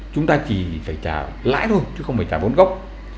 chúng ta chỉ phải trả lãi thôi chứ không phải trả vốn gốc